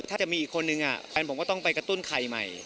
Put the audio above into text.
ถ้าจะมีอีกคนนึงแฟนผมก็ต้องไปกระตุ้นไข่ใหม่